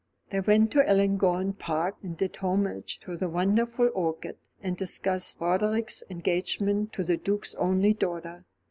They went to Ellangowan Park and did homage to the wonderful orchid, and discussed Roderick's engagement to the Duke's only daughter.